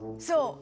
そう！